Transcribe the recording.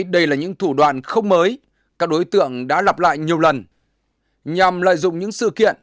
đây là những thủ đoàn không mới các đối tượng đã lặp lại nhiều lần nhằm lợi dụng những sự kiện